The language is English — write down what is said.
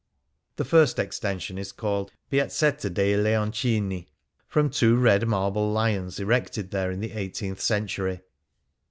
The first extension is called '' Piazzetta dei Leoncini," from two red marble lions erected there in the eighteenth century.